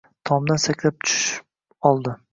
Tomdan sakrab tushib oldi